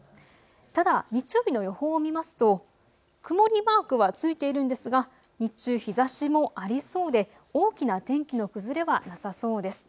ただ日曜日の予報を見ますと曇りマークはついているんですが日中、日ざしもありそうで大きな天気の崩れはなさそうです。